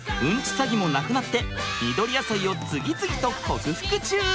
詐欺もなくなって緑野菜を次々と克服中！